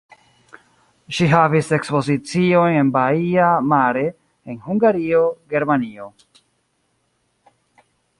Ŝi havis ekspoziciojn en Baia Mare; en Hungario, Germanio.